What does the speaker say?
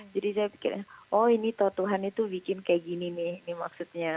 jadi saya pikir oh ini tuhan itu bikin kayak gini nih maksudnya